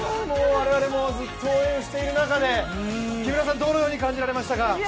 我々もずっと応援している中で、どのように感じられましたか？